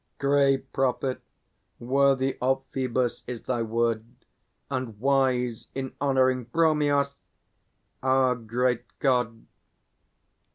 Grey prophet, worthy of Phoebus is thy word, And wise in honouring Bromios, our great God.